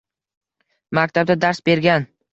Maktabda dars bergan